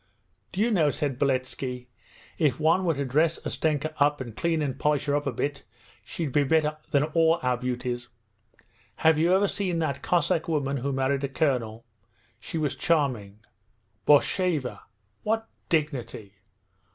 'Do you know,' said Beletski, 'if one were to dress Ustenka up and clean and polish her up a bit, she'd be better than all our beauties. Have you ever seen that Cossack woman who married a colonel; she was charming! Borsheva? What dignity!